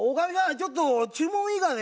ちょっと注文いいかね？